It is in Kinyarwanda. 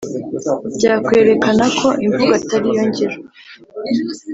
byakwerekanako imvugo atariyo ngiro